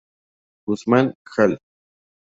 Guzman, Jal.